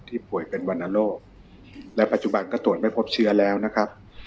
ป่วยเป็นวรรณโรคและปัจจุบันก็ตรวจไม่พบเชื้อแล้วนะครับ